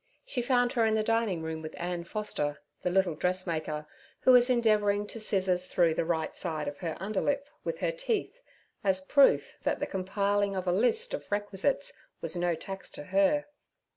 She found her in the dining room with Ann Foster, the little dressmaker, who was endeavouring to scissors through the right side of her underlip with her teeth as proof that the compiling of a list of requisites was no tax to her.